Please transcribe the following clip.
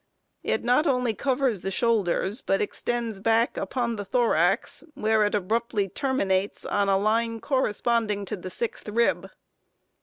It not only covers the shoulders, but extends back upon the thorax, where it abruptly terminates on a line corresponding to the sixth rib.